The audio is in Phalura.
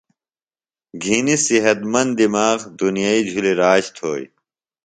گھِنیۡ صحت مند دِماغ، دُنیئی جُھلیۡ راج تھوئیۡ